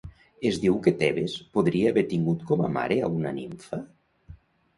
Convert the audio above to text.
Es diu que Tebes podria haver tingut com a mare a una nimfa?